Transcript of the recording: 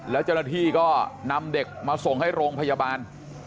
แล้วเจ้าหน้าที่ก็นำเด็กมาส่งให้โรงพยาบาล